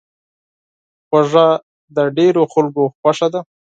خوږه د ډېرو خلکو خوښه ده.